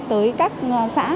tới các xã